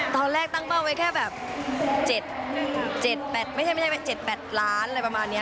ตอนแรกตั้งเป้าไว้แค่แบบ๗๘ไม่ใช่๗๘ล้านอะไรประมาณนี้